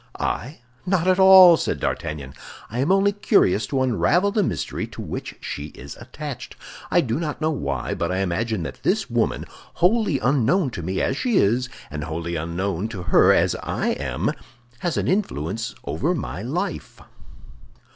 "I? not at all!" said D'Artagnan. "I am only curious to unravel the mystery to which she is attached. I do not know why, but I imagine that this woman, wholly unknown to me as she is, and wholly unknown to her as I am, has an influence over my life."